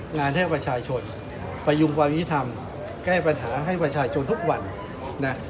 งานให้ประชาชนประยุงความยุทธรรมแก้ปัญหาให้ประชาชนทุกวันนะ